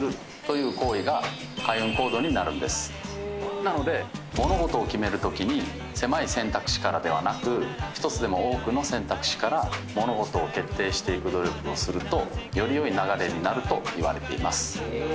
なので物事を決めるとき狭い選択肢からではなく１つでも多くの選択肢から物事を決定していく努力をするとより良い流れになるといわれています。